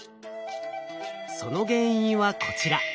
その原因はこちら。